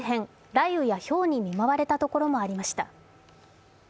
雷雨やひょうに見舞われた所もありました。